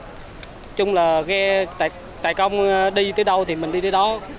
nói chung là ghe tài công đi tới đâu thì mình đi tới đó